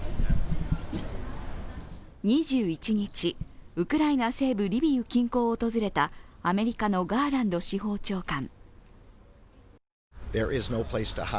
２１日、ウクライナ西部リビウ近郊を訪れたアメリカのガーランド司法長官。